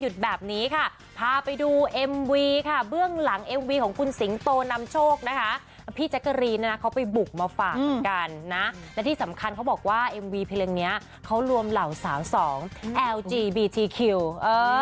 แบบนี้ค่ะพาไปดูเอ็มวีค่ะเบื้องหลังเอ็มวีของคุณสิงโตนำโชคนะคะพี่แจ๊กกะรีนนะนะเขาไปบุกมาฝากเหมือนกันนะและที่สำคัญเขาบอกว่าเอ็มวีเพลงเนี้ยเขารวมเหล่าสาวสองแอลจีบีทีคิวเออ